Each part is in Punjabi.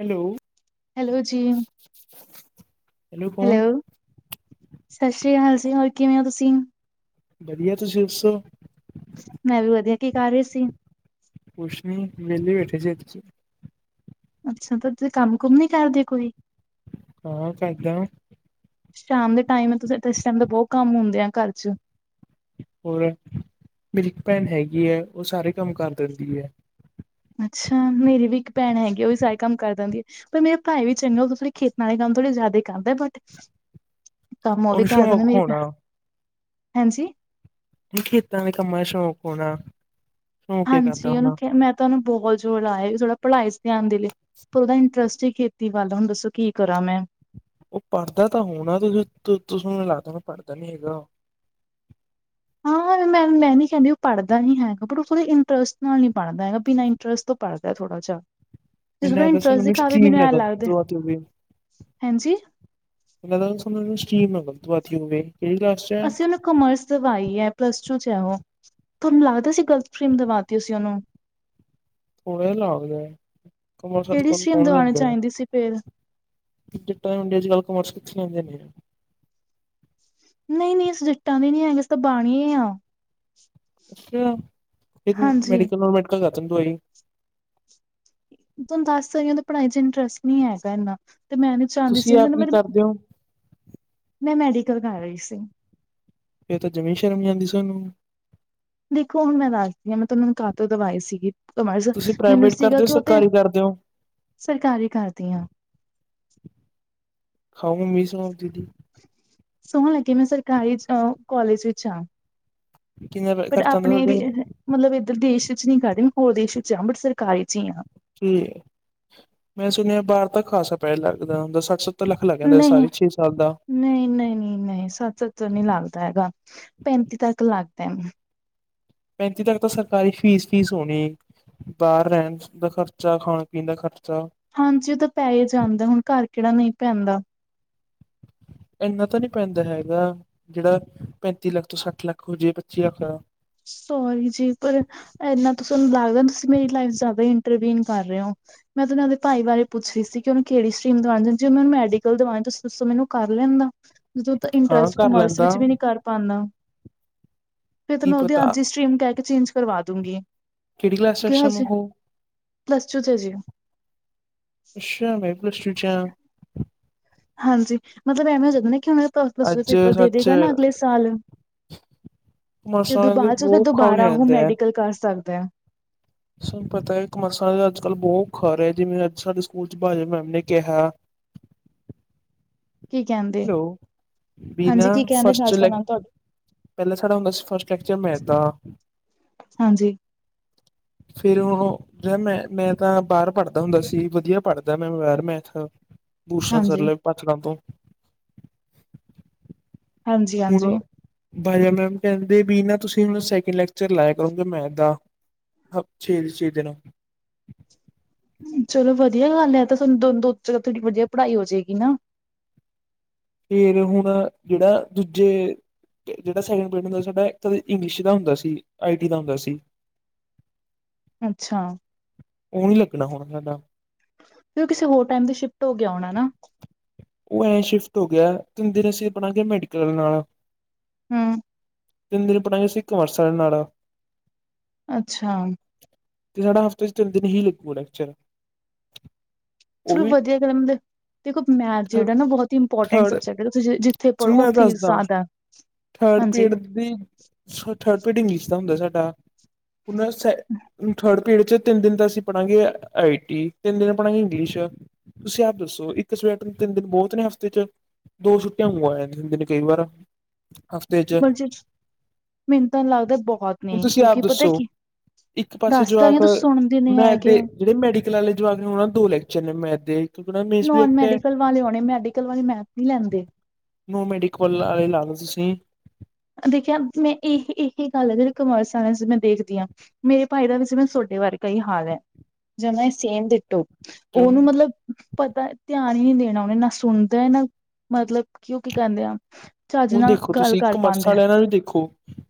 ਹੈਲੋ। ਹੈਲੋ ਜੀ, ਹੈਲੋ। ਸਤਿ ਸ੍ਰੀ ਅਕਾਲ ਜੀ ਹੋਰ ਕਿਵੇਂ ਹੋ ਤੁਸੀਂ? ਵਧੀਆ, ਤੁਸੀਂ ਦੱਸੋ? ਮੈਂ ਵੀ ਵਧੀਆ ਕੀ ਕਰ ਰਹੀ ਸੀ। ਕੁਸ਼ਨੀ ਵੇਲੇ ਬੈਠੇ ਸੀ ਅਸੀਂ ਤੇ। ਅੱਛਾ! ਤਾ ਤੁਸੀਂ ਕੰਮ-ਕੁੰਮ ਨੀ ਕੱਰਦੇ ਕੋਈ? ਹਾਂ, ਕਰਦਾ ਸ਼ਾਮ ਦੇ ਟਾਈਮ ਤੁਸੀਂ ਤਾਂ ਇਸ ਟਾਈਮ ਦਾ ਬਹੁਤ ਕੰਮ ਹੁੰਦੇ ਆ ਘਰ ਚ। ਹੋਰ, ਮੇਰੀ ਇਕ ਪੈਨ ਹੈਗੀ ਐਂ, ਓਹ ਸਾਰੇ ਕੰਮ ਕਰ ਦੇੰਦੀ ਐ। ਅੱਛਾ! ਮੇਰੀ ਵੀ ਇੱਕ ਭੈਣ ਹੈਗੀ ਆ ਓਹ ਵੀ ਸਾਰੇ ਕੰਮ ਕਰ ਦੇੰਦੀ ਏ। ਪਰ ਮੇਰੇ ਭਾਈ ਵੀ ਚੰਗਾ ਉਦੋਂ ਥੋੜੇ ਖੇਤਾਂ ਆਏ ਕੰਮ ਥੋੜ੍ਹੇ ਜਾਦਾ ਈ ਕਰਦੈ ਬਟ ਕੰਮ ਉਹ ਵੀ ਉਹਨੂੰ ਕਰ ਦਿੰਦੇ ਸ਼ੌਕ ਮੇਰੀ ਹੋਣਾ 'ਭੈਣ' ਹਾਂਜੀ। ਨੀ ਖੇਤਾਂ ਦੇ ਕੰਮਾ ਦਾ ' ਸੋ਼ਕ' ਪੋਣਾ। ਹਾਂਜੀ, ਉਹਨੂੰ ਮੈਂ ਤਾਂ ਉਹਨੂੰ ਬਹੁਤ ਜ਼ੋਰ ਲਾਇਆ ਥੋੜਾ ਪੜ੍ਹਾਈ' ਧਿਆਨ ਦੇ ਲਈ, ਪਰ ਉਹਦਾ ਇੰਟਰਸਟ ਹੀ ਕੀ। ਤੀ ਵੱਲ ਹੁਣ ਦੱਸੋ ਕੀ ਕਰਾਂ ਮੈਂ? ਉਹ ਪੜ੍ਹਦਾ ਤਾਂ ਹੋਣਾ, ਤੁਸੀਂ ਤੋ ਨੂੰ ਲੱਗਦਾ ਹੋਨਾ ਪੜ੍ਹਦਾ' ਨੀ ਹੈਗਾ। ਹਾਂ, ਏ ਮੈਂ, ਮੈਂ ਨੀ ਕਾਹਦੀ, ਓਹ ਪੜ੍ਹਦਾ ਨੀ ਹੈਗਾ ਪਰ ਓਹ ਪੁਰੇ ਇੰਟਰਸਟ ਨਾਲ ਨੀ ਪੜ੍ਹਦਾ ਹੈਗਾ। ਬਿਨਾਂ ਇੰਟਰਸਟ ਤੋਂ ਪੜਦਾ ਥੋੜਾ ਜਿਹਾ ਜਿਸ ਮੈਨੂੰ ਲੱਗਦਾ ਇੰਟਰਸਟ' ਸਾਨੂੰ ਦਿਖਾਵੇ ਸਟਰੀਮ ਨਾ ਮੈਨੂੰ ਲੱਗਦਾ। ਗਲਤ ਆਤੀ ਹੋਵੇ ਹਂਜੀ। [unintelligible] ਕਿਹੜੀ ਕਲਾਸ ਵਿੱਚ। ਅਸੀਂ ਉਹਨੂੰ ਕਾਮਰਸ ਦਵਾਈ ਹੈ, ਪਲੱਸ ਟੂ 'ਚ' ਹੈ ਉਹ। ਤਹਾਨੂੰ ਲੱਗਦਾ ਸੀ, ਗਲਤ' ਫਰੇੇਮ ਦਿਵਾ ਦਿੱਤੀ ਅਸੀਂ ਓਹਨੂੰ। ਥੋੜਾ ਜ ਲਾਗਦੇ ਕਮਲ ਸਤ ਕਿਹੜੀ ਕੋਲ, ਸਟਰੀਮ ਕੌਣ ਦਵਾਉਣੀ ਲੈਂਦਾ ਆ। ਚਾਹੀਦੀ ਸੀ ਫੇਰ [unintelligible] ਕੀ ਕੀਤੈ ਹੋੰਡੇਚੀ ਗੱਲ ਕ ਵਾਪਸੀ ਪੁੱਛ ਲੈਂਦੇ ਹੈਗੇ ਆ। ਨਹੀਂ, ਨਹੀਂ ਅਸੀ ਜੱਟਾਂ ਦੇ ਨਹੀ ਹੈਗੇ ਅਸੀ ਬਾਣੀਏ ਆ। ਅੱਛੀਆਂ, ਇੱਕ ਹਾਂਜੀ ਮੈਡੀਕਲ ਨੂੰ ਮੈਡਕਲ ਖਾ ਤੂੰ ਹੀ। [unintelligible] ਤੈਨ ਦੱਸ ਰਈਆਂ, ਓਦਾ ਪੜ੍ਹਾਈ ਚ ਇੰਟਰਸਟ ਨੀ ਹੈਗਾ ਏਨਾ ਤੇ ਮੈਂ ਨੀ ਚਾਉੰਦੀ ਤੁਸੀਂ ਸੀ। ਆਪ ਮੈਨੂੰ ਕੀ ਮੇਰੇ ਕਰਦੇ ਹੋ ਮੈਂ ' ਮੈਡੀਕਲ ' ਕਰ ਰਹੀ ਸੀ। ਫੇਰ ਤੇ ਜਮੀਂ ਸ਼ਰਮ' ਨੀ ਆਂਦੀ ਤੁਹਾਨੂੰ। ਦੇਖੋ ਹੁਣ ਮੈਂ ਦਾਸਦੀ ਹਾਂ, ਮੈਂ ਤਹਾਨੂੰ ਕਾਹਤੋਂ ਦਵਾਈ ਸੀਗੀ। ਕਮਾਸ ਸੀ, ਤੁਸੀਂ ਮੈਨੂੰ ਪ੍ਰਾਈਵੇਟ ਸੀਗਾ ਕਰਦੇ ਹੋ ਕਿ ਓ ਤੇ ਸਰਕਾਰੀ ਕਰਦੇ ਹੋ ਸਰਕਾਰੀ' ਕਰਦੀ ਆਂ। ਖਾਓ ਮੱਮੀ ਦੀ ਸੋਂਹ ਆਪਦੀ ਦੀ। ਸੋਹ ਲੱਗੇ, ਮੈਂ ਸਰਕਾਰੀ ਜੋ ਕੋਲਜ ਵਿੱਚ ਆਂ ਕਿੰਨਾ ਪਰ ਖਰਚਾ ਆਉਂਦਾ ਆਪਣੇ ਰਿ ਤੁਹਾਡੇ ਮਤਲਬ ਇੱਧਰ ਦੇਸ਼ ਵਿੱਚ ਨਹੀਂ ਕਰਦੀ, ਮੈਂ ਹੋਰ ਦੇਸ਼ ਵਿੱਚ ਆਂ ਬਟ ਸਰਕਾਰੀ 'ਚ' ਹੀ ਹਾਂ। ਕੀ ਏ, ਮੈਂ ਸੁਣਿਆ ਬਾਰ ਤਾਂ ਖਾਸਾ ਪੈਸਾ ਲੱਗਦਾ ਹੁੰਦਾ, ਸੱਠ-ਸੱਤਰ ਲੱਖ ਲੱਗ ਜਾਂਦਾ ਨਹੀਂ ਸਾਡੇਂ ਛੇ ਸਾਲ ਦਾ। ਨਹੀਂ, ਨਹੀਂ, ਨਹੀਂ ਨਹੀਂ, ਸੱਠ-ਸੱਤਰ ਨੀ ਲੱਗਦਾ ਹੈਗਾ ਪੈਂਤੀਂ ਤੱਕ ਲੱਗਦੈ। ਪੈਂਤੀ ਤੱਕ ਤਾਂ 'ਸਰਕਾਰੀ' ਫੀਸ- ਫੀਸ ਹੋਣੀ। ਬਾਹਰ ਰਹਿਣ ਦਾ ਖਰਚਾ, ਖਾਣ ਪੀਣ ਦਾ ਖਰਚਾ। ਹਾਂਜੀ, ਓਹ ਤਾਂ ਪੈ ਹੇ ਜਾਂਦਾ ਹੁਣ ਘਰ ਕਿੜੇ ਨਹੀਂ ਪੈਂਦਾ। ਏਨਾ ਤਾਂ ਨੀ ਪੈਂਦਾ ਹੈਗਾ, ਜਿਹੜਾ ਪੈਂਤੀ ਲੱਖ ਤੋਂ ਸੱਠ ਲੱਖ ਹੋ ਜੇ ਪੈਤੀਂ ਲੱਖ ਹੋਜੇ। ਸੋਰੀ ਜੀ ਪਰ ਨਾਂ ਲੱਗਦਾ, ਤੁਸੀ ਮੇਰੀ ਲਾਈਫ 'ਚ' ਇੰਟਰਵੀਨ ਕਰ ਰਹੇ ਹੋ। ਮੈਂ ਤੇ ਔਨਾ ਦੇ ਭਾਈ ਬਾਰੇ ਪੁੱਛ ਰਹੀ ਸੀ, ਕਿ ਓਹਨੂੰ ਕੇਹੜੀ ਸਟਰੀਮ ਦਵਾੰ ਦੇਣਾ ਜੇ ਔਨੂੰ ਮੈਡੀਕਲ ਦਵਾਣ ਤੁਸੀਂ ਦਸੋੋ ਮੈਨੂੰ ਕਰ ਲੈਂਦਾ, ਜਦੋਂ ਤਾਂ ਹਾਂ ਇੰਟਰਸਟ ਕਰ ਕੋਮਰਸ ਲੈਂਦਾ ਵਿੱਚ ਵੀ ਨੀ ਕਰ ਪਾਦਾ। ਤੇ ਕੀ ਮੈਂ ਓਦੀ ਪਤਾ ਅੱਜ ਹੀ ਸਟਰੀਮ ਕਿਹ ਕੇ ਚੇਂਜ਼ ਕਰਵਾ ਦੂੰਗੀ। ਕਿਹੜੀ ਕਲਾਸ' ਚ ਹੈ, ਇਸ ਟੈਮ ਓਹ? ਪਲਸਟੂ ਚ' ਜੀ। ਅੱਛਾ ਮੈ ਵੀਂ ਪਲਸਟੂ ਚ [unintelligible] ਹਾਂਜੀ, ਮਤਲਬ ਐਵੇਂ ਹੋ ਜਾਂਦਾ ਨਾ ਕਿ ਉਹਨਾਂ ਪਲਸਟੂ ਦੇ ਅੱਜ ਪੇਪਰ ਦੇ ਸੱਚ ਦੇਗਾ ਨਾ ਅਗਲੇ ਸਾਲ ਤੇ ਕਮਰਸ ਉਦੋ ਵਾਲਿਆਂ ਦੇ ਬਾਅਦ ਚ' ਫੇਰ ਬਹੁਤ ਔਖਾ ਹੋ ਦੁਬਾਰਾ ਉਹ ਜਾਂਦਾ ਹੈ। ਮੈਡੀਕਲ ਕਰ ਸਕਦੇ ਆ। ਸਾਨੂੰ ਪਤਾ ਹੈ, ਕਮਰਸਾਂ ਅੱਜ ਕੱਲ੍ਹ ਬਹੁਤ ਖਰ ਹੈ, ਜਿਵੇਂ ਅੱਜ ਸਾਡੇ ਸਕੂਲ ਚ ਬਾਜਪ ਮੈਮ ਨੇ ਕਿਹਾ। ਕੀ ਕਹਿੰਦੇ ਹੈਲੋ ਹਾਂਜੀ ਬਿਨਾ ਕੀ ਕਹਿੰਦੇ ਫਸ਼ਟ ਨਾਜਮਾ ਲੈ। ਮੈਮ ਤੁਹਾਡੇ ਪਹਿਲਾਂ ਸਾਡਾ ਹੁੰਦਾ ਫਸਟ ਲੈਕਚਰ 'ਮੈਥ' ਦਾ। ਹਾਂਜੀ। ਫਿਰ ਓਹ ਜ ਮੈਂ, ਮੈਂ ਤਾਂ ਬਾਹਰ ਪੜ੍ਹਦਾ ਹੁੰਦਾ ਸੀ, ਵਧੀਆ ਪੜ੍ਹਦਾ ਮੈਂ ਬਾਹਰ ਮੈਥ। ਭੂਸ਼ਣ ਹਾਂਜੀ ਸਰਲੇ ਪਾਥਕਾਮ ਤੋਂ। ਹਾਂਜੀ ਹੁਣ, ਹਾਂਜੀ ਡਾਹੀ ਐਮ ਐਮ ਕਿਹਦੇ ਬੀ ਨਾ, ਤੁਸੀਂ ਹੁਣ ਸੈਕਿੰਡ ਲੈਕਚਰ ਲਾਇਆ ਕਰੋਗੇ ਮੈਥ ਦਾ। ਹਾ ਛੇ, ਛੇ ਦਿਨ। ਚਲੋ, ਵਧੀਆ ਗੱਲ ਐ, ਤਾਂ ਸਾਨੂੰ ਦੋ, ਦੋ ਤੇਰੇ ਹੱਥੋਂ ਕੀ ਵਧੀਆ ਪੜ੍ਹਾਈ ਹੋਜੇ ਗੀ ਨਾਂ। ਫੇਰ ਹੁਣ ਜਿਹੜਾ ਆਂ ਦੂਜੇ ਜਿਹੜਾ ਸੈਡੇ ਪਿੰਡ ਦਾ ਸੂਬਾ ਏ ਤੇ ਔਦੇ ਇੰਗਲਿਸ਼ ਦਾ ਹੁੰਦਾ ਸੀ, ਆਈ ਟੀ ਦਾ ਹੁੰਦਾ ਸੀ। ਅੱਛਾ। ਉਹ ਨੀ ਲੱਗਣਾ ਹੋਣਾ ਸਾਡਾ। ਫਿਰ ਉਹ ਕਿਸੇ ਹੋਰ ਟਾਈਮ ਤੇ ਸ਼ਿਫਟ ਹੋ ਗਿਆ ਹੋਣਾ ਨਾ। ਉਹ ਐਂ ਸ਼ਿਫਟ ਹੋ ਗਿਆ ਤਿੰਨ ਦਿਨ ਅਸੀਂ ਬਣਾਗੇ ਮੈਡੀਕਲ ਆਲਿਆ ਨਾਲ, ਹਮ [inaudible] ਤਿੰਨ ਦਿਨ ਪੜ੍ਹਾ ਗੇ ਅਸੀਂ ਕਮਰਸ ਆਲਿਆ ਨਾਲ, ਅੱਛਾ। ਤੇ ਸਾਡਾ ਹਫ਼ਤੇ ਚ ਤਿੰਨ ਦਿਨ ਹੀ ਲਗੂ ਲੈਕਚਰ, ਉਹ ਚਲੋ ਵੀ ਵਧੀਆ ਗੱਲ ਆ। ਦੇਖੋ ਮੈਥ ਜਿਹੜਾ ਨਾ ਬਹੁਤ ਹੀ ਇੰਪੋਰਟੈਂਟ ਥਰਡ ਸਬਜੈਕਟ ਹੈ ਤੁਸੀਂ ਜਿੱਥੇ ਸੁਣ ਪੜ੍ਹੋ ਮੈਂ ਉੱਥੇ ਹੀ ਦੱਸਦਾ ਜ਼ਿਆਦਾ ਥਰਡ ਹਾਂਜੀ ਪੇਡ ਦੀ ਥਰਡ ਪੇਡ ਇੰਗਲਿਸ਼ ਦਾ ਹੁੰਦਾ ਸਾਡਾ, ਹੁਣ ਸ ਥਰਡ ਪੀਰੀਅਡ ਚ, ਤਿੰਨ ਦਿਨ ਤਾਂ ਅਸੀਂ ਪੜਾਂਗੇ ਆਈ ਟੀ ਤਿੰਨ ਦਿਨ ਪੜਾਂਗੇ ਇੰਗਲਿਸ਼ ਤੁਸੀਂ ਆਪ ਦੱਸੋ ਇੱਕ ਸਵੈਜਕਟ ਤਿੰਨ ਦਿਨ ਬਹੁਤ ਨੇ ਹਫ਼ਤੇ ਚ? ਦੋ ਛੁੱਟੀਆਂ ਉ ਆ ਜਾਂਦੀਆ ਕਈ ਵਾਰ, ਹਫ਼ਤੇ ਚ, ਬਜਟ ਮੈਨੂੰ ਤਾ ਲੱਗਦਾ ਬਹੁਤ ਨੇ ਹੁਣ ਤੁਸੀਂ ਆਪ ਕਿਉਂਕਿ ਪਤਾ ਦੱਸੋ ਕੀ ਇੱਕ ਪਾਸੇ ਦੱਸ ਤਾ ਰਹੀ ਆ ਜਵਾਕ ਤੁਸੀਂ ਸੁਣਦੇ ਨੀ ਮੈਥ ਹੈਗੇ। ਦੇ ਜਿਹੜੇ ਮੈਡੀਕਲ ਵਾਲੇ ਜਵਾਬ ਨੇ ਉਹਨਾਂ ਦੋ ਲੈਕਚਰ ਨੇ ਮੈਥ ਦੇ। ਕਿਉਂਕਿ ਉਹਨਾਂ ਮੇਨ ਨੋਨ ਸਬਜੈਕਟ ਹੈ ਮੈਡੀਕਲ ਵਾਲੇ ਆਉਣੇ ਮੈਡੀਕਲ ਵਾਲੇ ਮੈਥ ਨੀ ਲੈਂਦੇ, ਨੋਨ ਮੈਡੀਕਲ ਵਾਲੇ ਲਾਗੇ ਤੁਸੀਂ, ਦੇਖਿਆ ਮੈਂ ਇਹ ਇਹਹੀ ਗੱਲ ਹੈ ਜਿਹੜੇ ਕਮਰਸ ਮੈਂ ਦੇਖਦੀ ਹਾਂ, ਮੇਰੇ ਭਾਈ ਦਾ ਵਿੱਚ ਮੈਂ ਤੁਹਾਡੇ ਵਰਗਾ ਈ ਹਾਲ ਹੈ ਜਮਾ ਈ ਸੇਮ ਡਿਟੋ, ਉਹਨੂੰ ਮਤਲਬ ਪਤਾ ਧਿਆਨ ਹੀ ਨਹੀਂ ਦੇਣਾ ਉਹਨੇ ਨਾ ਸੁਣਦਾ ਨਾ ਮਤਲਬ ਕਿ ਉਹ ਕੀ ਕਹਿੰਦੇ ਆ, ਚੱਜ ਹੁਣ ਨਾਲ ਦੇਖੋ ਗੱਲ ਤੁਸੀਂ ਕਰ ਕਮਰਸ ਪਾਉਂਦਾ ਵਾਲਿਆਂ ਨਾਲ ਵੀ ਦੇਖੋ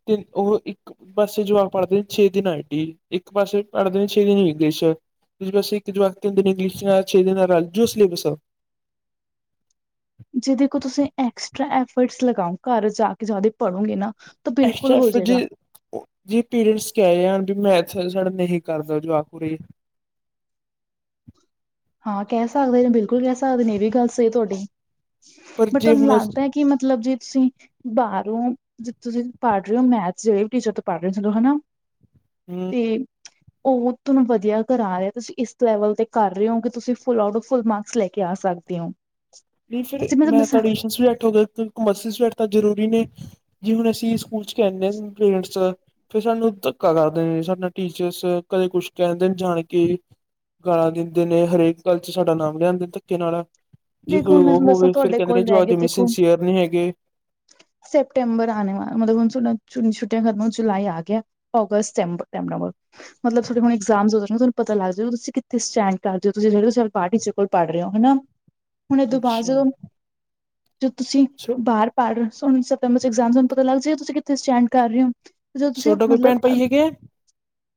ਤੇ ਉਹ ਇੱਕ ਇੱਕ ਪਾਸੇ ਜਵਾਬ ਪੜ੍ਹਦੇ ਨੇ ਛੇ ਦਿਨ ਆ ਇੰਡੀ ਇੱਕ ਪਾਸੇ ਪੜ੍ਹਦੇ ਨੇ ਛੇ ਦਿਨ ਇੰਗਲਿਸ਼, [unintelligible] ਜਿਦੇ ਕੋਲ ਤੁਸੀਂ ਐਕਸਟਰਾ ਇਫਰਟਸ ਲਗਾਓ ਘਰ ਜਾ ਕੇ ਜਿਆਦੇ ਪੜੋਗੇ ਨਾ ਤਾਂ ਬਿਲਕੁਲ ਐਕਸਟਰਾ ਹੋ ਐਫਰਟ ਜਾਏਗਾ। ਜੇ ਜੇ ਪੇਰੈਂਟਸ ਕਹਿ ਰਹੇ ਹਨ ਵੀ ਮੈਥ ਸਾਡਾ ਨਹੀਂ ਕਰਦਾ ਜਵਾਖ ਉਰੇ, ਹਾਂ ਕਹਿ ਸਕਦੇ ਨੇ ਬਿਲਕੁਲ ਕਹਿ ਸਕਦੇ ਨੇ ਇਹ ਵੀ ਗੱਲ ਸਹੀ ਤੁਹਾਡੀ, ਪਰ ਬਟ ਜੇ ਤੁਹਾਨੂੰ ਹੁਣ ਲੱਗਦਾ ਕੀ ਮਤਲਬ ਜੇ ਤੁਸੀਂ ਬਾਹਰੋਂ ਜੇ ਤੁਸੀਂ ਪੜ੍ਹ ਰਹੇ ਹੋ ਮੈਥ ਜਿਹੜੇ ਵੀ ਟੀਚਰ ਤੋਂ ਪੜ੍ਹ ਰਹੇ ਚਲੋ ਹਨਾ, ਹੂੰ। ਤੇ ਉਹ ਤੁਹਾਨੂੰ ਵਧੀਆ ਕਰਾ ਰਿਹਾ ਤੁਸੀਂ ਇਸ ਲੈਵਲ ਤੇ ਕਰ ਰਹੇ ਹੋ ਤੁਸੀਂ full out of full marks ਲੈ ਕੇ ਆ ਸਕਦੇ ਹੋ, ਨਹੀਂ ਫਿਰ ਜੇ ਮੈਂ ਤੁਹਾਨੂੰ ਮੈ ਦੱਸਾਂ ਤੁਹਾਡੀ ਊਸ਼ਨ ਵੀ ਬੈਠੋ ਕਮਰਸਿਸ ਬੈਠ ਜ਼ਰੂਰੀ ਨੇ ਜੀ ਹੁਣ ਅਸੀਂ ਸਕੂਲ ਚ ਕਹਿੰਦੇ ਹਾਂ ਪੇਰੈਂਟਸ ਫਿਰ ਸਾਨੂੰ ਧੱਕਾ ਕਰਦੇ ਨੇ ਸਾਡਾ ਟੀਚਰਸ ਕਦੇ ਕੁਛ ਕਹਿੰਦੇ ਨੇ ਜਾਣ ਕੇ, ਗਾਲਾਂ ਦਿੰਦੇ ਨੇ ਹਰੇਕ ਗੱਲ ਚ ਸਾਡਾ ਨਾਮ ਲਿਆਂਦੇ ਨੇ ਧੱਕੇ ਨਾਲ। ਜੇ ਦੇਖੋ ਕੋਈ ਹੁਣ ਮੈਂ ਉਹ ਤੁਹਾਨੂੰ ਦੱਸਾਂ ਹੋਵੇ ਫਿਰ ਤੁਹਾਡੇ ਕਹਿੰਦੇ ਨੇ ਕੋਲ ਰਹਿ ਜਵਾਕ ਗਏ ਜਮੀ ਦੇਖੋ ਸਿੰਸੀਅਰ ਨਹੀਂ ਹੈਗੇ ਸੈਪਟੈਂਬਰ ਆਣੇ ਵਾਲਾ ਮਤਲਬ ਹੁਣ ਛੁੱਟੀਆ ਖ਼ਤਮ ਹੋਣ ਜੁਲਾਈ ਆ ਗਿਆ, ਆਗਸਤ ਸੰਤਵਰ ਨੰਬਵਰ। ਮਤਲਬ ਹੁਣ ਸੋਡੇ ਇਗਾਮਸ ਹੁਣ ਪਤਾ ਲੱਗਜੇ ਗਾ ਤੁਸੀ ਕਿੱਥੇ ਸਟੈਂਡ ਕਰਦੇ ਹੋ ਜਿਹੜੇ ਟੀਚਰ ਕੋਲ ਪੜ੍ਹ ਰਹੇ ਹੋ ਹਨਾ, ਹੁਣ ਇਹਦੋਂ ਬਾਅਦ, ਅੱਛਾ ਜੋ ਤੁਸੀਂ ਸੋ ਬਾਹਰ, ਪੜ੍ਹ ਸੋਨੂੰ ਸਤੰਬਰ ਇਗਾਮਸ ਪਤਾ ਲੱਗ ਜਾ ਤੁਸੀਂ ਕਿਥੇ ਸਟੈਂਡ ਕਰ ਰਹੇ ਹੋ, ਜਦੋਂ ਤੁਸੀਂ ਤੁਹਾਡਾ ਕੋਈ ਮਤਲਬ ਭੈਣ ਭਾਈ ਹੈਗੇ ਆ?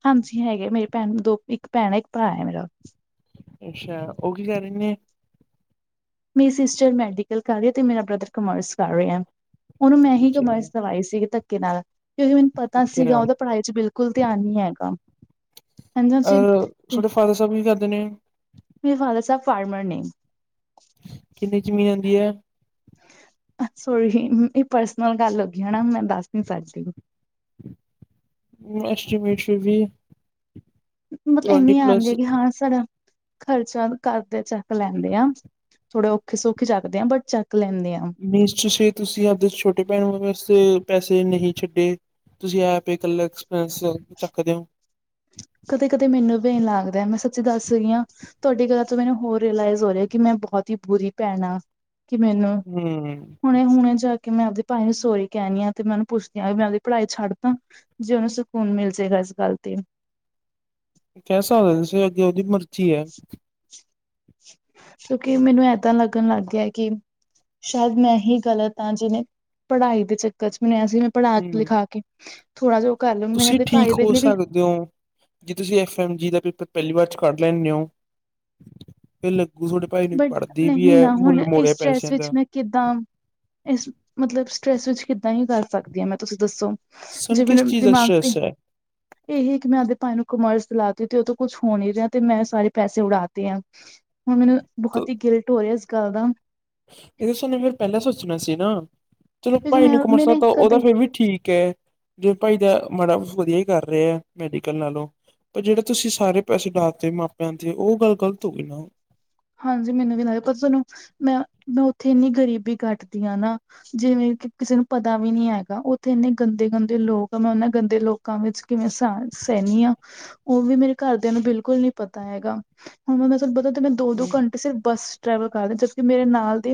ਹਾਂਜੀ ਹੈਗੇ, ਮੇਰੀ ਭੈਣ ਦੋ ਇੱਕ ਭੈਣ ਹੈ, ਇੱਕ ਭਰਾ ਹੈ ਮੇਰਾ ਅੱਛਾ ਉਹ ਕੀ ਕਹਿ ਰਹੇ ਨੇ? ਮੇਰੀ ਸਿਸਟਰ ਮੈਡੀਕਲ ਕਰ ਰਹੀ ਤੇ ਮੇਰਾ ਬ੍ਰਦਰ ਕਾਮਰਸ ਕਰ ਰਿਹਾ ਆ। ਉਹਨੂੰ ਮੈਂ ਹੀ ਬੱਚੇ ਕਮਰਸ ਦਵਾਈ ਸੀਗੀ ਧੱਕੇ ਨਾਲ, ਕਿਉਂਕਿ ਮੈਨੂੰ ਪਤਾ ਧੱਕੇ ਸੀਗਾ ਨਾਲ ਉਹਦਾ ਪੜ੍ਹਾਈ ਚ ਬਿਲਕੁਲ ਧਿਆਨ ਨੀ ਹੈਗਾ। ਹਾਂਜੀ ਹਾਂਜੀ। ਅ ਤੇ ਤੁਹਾਡੇ ਫਾਦਰ ਸਾਹਿਬ ਵੀ ਕਰਦੇ ਨੇ? ਮੇਰੇ ਫਾਦਰ ਸਾਹਿਬ ਫਾਰਮਰ ਨੇ। ਕਿੰਨੀ ਜ਼ਮੀਨ ਆਉਂਦੀ ਹੈ। ਸੌਰੀ ਇਹ ਪਰਸਨਲ ਗੱਲ ਹੋ ਗਈ ਹੈ ਨਾ ਮੈਂ ਦੱਸ ਨੀ ਸਕਦੀ। ਐਸਟਮੇਸੁ਼ ਵੀ [unintelligible] ਮਤਲਬ ਇਨੀ ਆਉਂਦੀ ਹੈ ਕਿ ਹਾਂ ਸਾਡਾ ਖਰਚਾ ਘਰ ਦੇ ਚੱਕ ਲੈਂਦੇ ਆ। ਥੋੜੇ ਔਖੇ ਸੌਖੇ ਚੱਕਦੇ ਆਾਂ ਬਟ ਚੱਕ ਲੈਂਦੇ ਆ। ਮੀਨਜ ਤੁਸੀਂ ਆਪਦੇ ਛੋਟੇ ਭੈਣ ਵਾਸਤੇ ਪੈਸੇ ਨਹੀਂ ਛੱਡੇ। ਤੁਸੀ ਆਪ ਹੀ ਕੱਲੇ ਐਕਸਪ੍ਰੈਸ ਚੱਕਦੇ ਹੋ। ਕਦੇ ਕਦੇ ਮੈਨੂੰ ਵੀ ਇਨ ਲੱਗਦਾ ਮੈਂ ਸੱਚੀ ਦੱਸ ਰਹੀ ਹਾਂ। ਤੁਹਾਡੀ ਗਲ ਤੋਂ ਮੈਨੂੰ ਹੋਰ ਰਿਲਾਈਜ਼ ਹੋ ਰਿਹਾ ਕਿ ਮੈਂ ਬਹੁਤ ਹੀ ਬੁਰੀ ਭੈਣ ਆ। ਕਿ ਮੈਨੂੰ ਹੂੰ ਹੁਣੇ-ਹੁਣੇ ਜਾ ਕੇ ਮੈਂ ਆਪਦੇ ਭਾਈ ਨੂੰ ਸੋਰੀ ਕਹਿਣੀ ਆ ਤੇ ਮੈਂਨੂੰ ਪੁੱਛਦੀ ਹਾਂ ਵੀ ਮੈਂ ਆਪਦੀ ਪੜ੍ਹ ਛੱਡਦਾਂ। ਜੇ ਉਹਨੂੰ ਸਕੂਨ ਮਿਲ ਜਾਏਗਾ ਇਸ ਗੱਲ ਤੇ। ਕਹਿ ਸਕਦੇ ਤੁਸੀਂ ਅੱਗੇ ਉਹਦੀ ਮਰਜ਼ੀ ਹੈ। ਕਿਉਂਕਿ ਮੈਨੂੰ ਏਦਾਂ ਲੱਗਣ ਲੱਗ ਗਿਆ ਕਿ। ਸ਼ਾਇਦ ਮੈਂ ਹੀ ਗ਼ਲਤ ਹਾਂ ਜਿਵੇਂ ਪੜ੍ਹਾਈ ਦੇ ਚੱਕਰ ਚ ਮੈਨੂੰ ਸੀ ਮੈਂ ਪੜ੍ਹਾ ਹੂੰ ਲਿਖਾ ਕੇ। ਥੋੜਾ ਜਿਹਾ ਉਹ ਕਰ ਲੂੰ ਮੈ ਆਪਣੇ ਭਾਈ ਦੇ ਵੇਲੇ ਵੀ। ਦਿਉ। ਜੇ ਤੁਸੀਂ ਐਫ ਐਮ ਜੀ ਦਾ ਪੇਪਰ ਪਹਿਲੀ ਵਾਰ ' ਕੱਢ ਲੈਂਦੇ ਹੋ ਫਿਰ ਲੱਗੂ ਤੁਹਾਡੇ। ਭਾਈ ਨੂੰ ਬਟ ਪੜ੍ਹਦੀ ਵੀ ਨਹੀਂ ਹੈ ਨਾ ਹੁਣ ਮੁੱਲ ਇਸ ਮੋੜਿਆ ਸਟਰੈਸ ਪੈਸਿਆਂ ਵਿੱਚ ਦਾ। ਮੈਂ ਕਿੱਦਾਂ ਇਸ ਮਤਲਬ ਸਟਰ੍ਰੈਸ ਵਿੱਚ ਕਿੱਦਾਂ ਹੀ ਕਰ ਸਕਦੀ ਹਾਂ ਮੈਂ ਤੁਸੀਂ ਦੱਸੋ? ਸਾਨੂੰ ਜੇ ਮੇਰੇ ਕਿਸ ਚੀਜ਼ ਦਾ ਦਿਮਾਗ ਤੇ ਸਟਰੈਸ ਹੈ ਇਹੀ ਕਿ ਮੈਂ ਆਪਦੇ ਭਾਈ ਨੂੰ ਕਾਮਰਸ ਦਿਲਾਤੀ ਤੇ ਉਹ ਤੋਂ ਕੁਛ ਹੋ ਨੀ ਰਿਹਾ ਤੇ ਮੈਂ ਸਾਰੇ ਪੈਸੇ ਉਡਾਤੇ ਆ। ਹੁਣ ਮੈਨੂੰ ਬਹੁਤ ਹੀ ਗਿਲਟ ਹੋ ਰਿਹਾ ਇਸ ਗੱਲ ਦਾ। ਇਹ ਸਾਨੂੰ ਤਾਂ ਫਿਰ ਪਹਿਲਾਂ ਸੋਚਣਾ ਸੀ ਨਾ ਚਲੋ ਕਿਉਂਕਿ ਭਾਈ ਮੈਂ ਨੂੰ ਕਮਰਸ ਮੇਰੇ ਦਿਲਾਤਾ ਉਹ ਕਦੇ ਫੇਰ ਵੀ ਠੀਕ ਹੈ। ਜੇ ਭਾਈ ਤਾਂ ਮਾੜਾ ਕੁਛ ਵਧੀਆ ਹੀ ਕਰ ਰਿਹੇ ਆ ਮੈਡੀਕਲ ਨਾਲੋਂ। ਪਰ ਜਿਹੜੇ ਤੁਸੀਂ ਸਾਰੇ ਪੈਸੇ ਲਾਤੇ ਮਾਪਿਆਂ ਦੇ ਉਹ ਗੱਲ ਗ਼ਲਤ ਹੋ ਗਈ ਨਾ। ਹਾਂਜੀ ਮੈਨੂੰ ਵੀ ਲੱਗਦਾ ਪਤਾ ਤੁੈਨੂੰ ਮੈਂ ਮੈਂ ਉੱਥੇ ਇੰਨੀ ਗਰੀਬੀ ਕੱਟਦੀ ਹਾਂ ਨਾ। ਜਿਵੇਂ ਕਿ ਕਿਸੇ ਨੂੰ ਪਤਾ ਵੀ ਨੀ ਹੈਗਾ ਉੱਥੇ ਇੰਨੇ ਗੰਦੇ-ਗੰਦੇ ਲੋਕ ਆ। ਮੈਂ ਉਹਨਾ ਗੰਦੇ ਲੋਕ ਲੋਕਾਂ ਵਿੱਚ ਕਿਵੇਂ ਸਾ ਸਹਿਣੀ ਆ। ਉਹ ਵੀ ਮੇਰੇ ਘਰਦਿਆਂ ਨੂੰ ਬਿਲਕੁਲ ਨਹੀਂ ਪਤਾ ਹੈਗਾ। ਹੁਣ ਮ ਤੁਹਾਨੂੰ ਪਤਾ ਮੈਂ ਦੋ ਹਮ ਘੰਟੇ ਸਿਰਫ ਬੱਸ ਟ੍ਰੈਵਲ ਕਰਦੇ। ਜਦਕਿ ਮੇਰੇ ਨਾਲ ਦੀ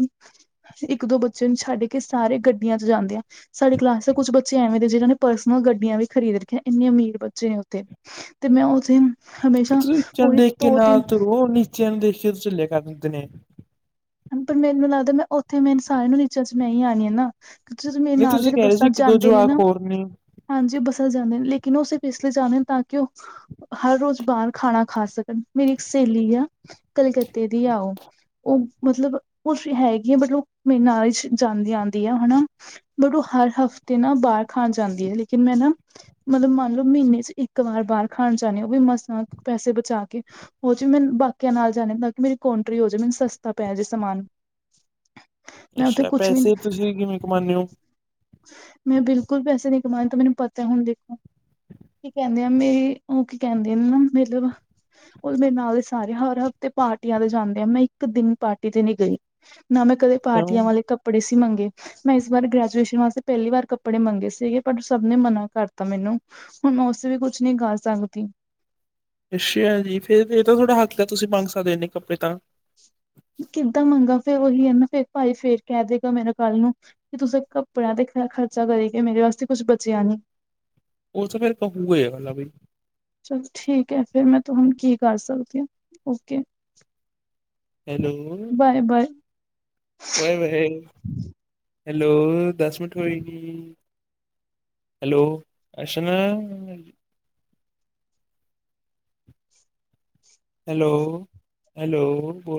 ਇੱਕ ਦੋ ਬੱਚੇ ਨੂੰ ਛੱਡ ਕੇ ਸਾਰੇ ਗੱਡੀਆਂ ਚ ਜਾਂਦੇ ਆਂ। ਸਾਡੀ ਕਲਾਸ ਦੇ ਕੁਛ ਬੱਚੇ ਐਵੇਂ ਦੇ ਜਿਨਾਂ ਨੇ ਪਰਸਨਲ ਗੱਡੀਆਂ ਵੀ ਖਰੀਦ ਰੱਖੀਆਂ। ਇੰਨੇ ਅਮੀਰ ਬੱਚੇ ਨੇ ਉੱਥੇ ਤੇ ਮੈਂ ਉਹ ਦਿਨ। ਫਿਰ ਤੁਸੀਂ ਉੱਚਿਆਂ ਨੂੰ ਦੇਖ ਕੇ ਨਾਲ ਤੁਰੋ ਨੀਚਿਆਂ ਨੂੰ ਦੇਖ ਕੇ ਚੱਲਿਆ ਕਰਦੇ ਨੇ। ਪਰ ਮੈਨੂੰ ਲੱਗਦਾ ਮੈਂ ਉੱਥੇ ਮੇਨ ਸਾਰਿਆਂ ਨੂੰ ਨੀਚਾਂ ਚ ਮੈਂ ਹੀ ਆਉਣੀ ਆ ਨਾ। ਜਦ ਮੇਰੇ ਨਹੀਂ ਨਾਲ ਤੁਸੀਂ ਜਿਹੜੇ ਕਹਿ ਰਹੇ ਸੀ ਬੱਸਾਂ ਇੱਕ ਚ ਦੋ ਆਦੇ ਨੇ ਜਵਾਕ ਨਾ। ਹੋਰ ਨੇ ਹਾਂਜੀ ਉਹ ਬਸਾਂ ਵਿੱਚ ਜਾਂਦੇ ਨੇ। ਲੇਕਿਨ ਉਹ ਸਿਰਫ ਇਸ ਲਈ ਜਾਂਦੇ ਨੇ ਤਾਂ ਕਿ ਉਹ। ਹਰ ਰੋਜ਼ ਬਾਹਰ ਖਾਣਾ ਖਾ ਸਕਣ। ਮੇਰੀ ਇੱਕ ਸਹੇਲੀ ਆ ਕਲਕੱਤੇ ਦੀ ਆ ਉਹ। ਉਹ ਮਤਲਬ ਕੁਛ ਹੈਗੀ ਆ ਬਟ ਉਹ ਮੇਰੇ ਨਾਲ ਜਾਂਦੀ ਆਉਂਦੀ ਆ। ਹਨਾ ਬਟ ਉਹ ਹਰ ਹਫ਼ਤੇ ਨਾ ਬਾਹਰ ਖਾਣ ਜਾਂਦੀ ਹੈ ਲੇਕਿਨ ਮੈਂ ਨਾ। ਮਤਲਬ ਮੰਨ ਲਓ ਮਹੀਨੇ ਚ ਇੱਕ ਵਾਰ ਬਾਹਰ ਖਾਣ ਜਾਂਦੇ ਹਾਂ। ਉਹ ਵੀ ਮਸਾ ਪੈਸੇ ਬਚਾ ਕੇ ਉਹਦੇ ਵਿੱਚ ਵੀ ਮੈਨੂੰ ਬਾਕੀਆਂ ਨਾਲ ਜਾਣੇ ਤਾਂ ਕਿ ਮੇਰੀ ਕੋਂਂਟਰੀ ਹੋ ਜਾਵੇ। ਮੈਨੂੰ ਸਸ ਤਾਂ ਪੈ ਜੇ ਸਮਾਨ ਮੈਂ ਉੱਥੇ ਅੱਛਾ ਕੁਛ ਵੀ ਪੈਸੇ ਤੁਸੀ ਕਿਵੇਂ ਕਮਾਂਨੇ ਹੋ। ਮੈਂ ਬਿਲਕੁਲ ਪੈਸੇ ਨਹੀ ਕਮਾਨੇ ਤਾਂ ਮੈਨੂੰ ਪਤਾ ਹੁਣ ਦੇਖੋ। ਕੀ ਕਹਿੰਦੇ ਆ ਮੇਰੀ ਉਹ ਕੀ ਕਹਿੰਦੇ ਨਾ ਮਤਲਬ ਬ ਮੇਰੇ ਨਾਲ ਦੇ ਸਾਰੇ ਹਰ ਹਫ਼ਤੇ ਪਾਰਟੀਆਂ ਦੇ ਜਾਂਦੇ ਆ ਮੈਂ ਇੱਕ ਦਿਨ ਪਾਰਟੀ ਤੇ ਨੀ ਗਈ ਨਾ ਮੈਂ ਕਦੇ ਕਿਉਂ ਪਾਰਟੀਆਂ ਵਾਲੇ ਕੱਪੜੇ ਸੀ ਮੰਗੇ ਮੈਂ ਇਸ ਬਾਰ ਗ੍ਰੈਜੂਏਸ਼ਨ ਵਾਸਤੇ ਪਹਿਲੀ ਵਾਰ ਕੱਪੜੇ ਮੰਗੇ ਸੀਗੇ ਪਰ ਸਭ ਨੇ ਮਨਾ ਕਰਤਾ ਮੈਨੂੰ। ਹੁਣ ਉਸ ਵੀ ਕੁਛ ਨੀ ਕਰ ਸਕਦੀ। ਅੱਛਾ ਹ ਜੀ ਫੇਰ ਇਹ ਤਾਂ ਤੁਥੋੜਾ ਹਥ ਲ ਤੁਸੀਂ ਮੰਗ ਸਕਦੇ ਇਹਨੇ ਕੱਪੜੇ ਤਾਂ ਕਿੱਦਾਂ ਮੰਗਾ ਫੇਰ ਉਹੀ ਐ ਨਾ ਫੇਰ ਭਾਈ ਫੇਰ ਕਹਿ ਦੇਗਾ ਮੇਰਾ ਕੱਲ ਨੂੰ। ਤੇ ਤੁਸੀ ਕੱਪੜਿਆਂ ਤੇ ਖਰਚਾ ਕਰੀਗੇ ਮੇਰੇ ਵਾਸਤੇ ਕੁਛ ਬਚਿਆ ਨਹੀਂ। ਉਹ ਤੇ ਫਿਰ ਕਾਫੀ ਹੋਏ ਗਾ। ਚਲ ਠੀਕ ਹੈ, ਫੇਿਰ ਮੈਂ ਤੁਹਾਨੂੰ ਕੀ ਕਰ ਸਕਦੀ ਹ ਓਕੇ। ਹੈਲੋ। Bye -bye. ਵਾਏ- ਵਏ ਹੈਲੋ, ਦਸ ਮਿੰਟ ਹੋਏ ਨ, ਹੈਲੋ, ਅਸ਼ਨਾ ਹੈਲੋ- ਹੈਲੋੋ